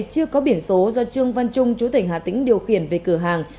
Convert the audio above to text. chưa có biển số do trương văn trung chú tỉnh hà tĩnh điều khiển về cửa hàng